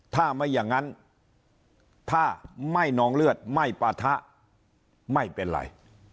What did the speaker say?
ถ้าไม่อย่างนั้นถ้าไม่นองเลือดไม่ปะทะไม่เป็นไร